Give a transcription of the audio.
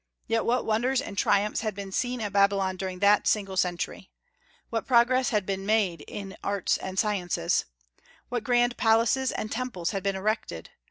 Yet what wonders and triumphs had been seen at Babylon during that single century! What progress had been made in arts and sciences! What grand palaces and temples had been erected!